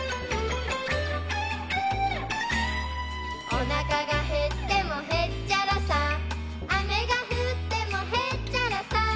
「おなかがへってもへっちゃらさ」「雨が降ってもへっちゃらさ」